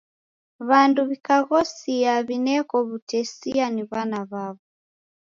W'andu w'ikaghosia w'ineko w'utesia ni w'ana w'aw'o.